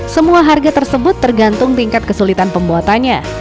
semua harga tersebut tergantung tingkat kesulitan pembuatannya